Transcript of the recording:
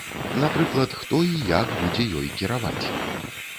Напрыклад, хто і як будзе ёй кіраваць.